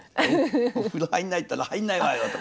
お風呂入んないったら入んないわよ」とか。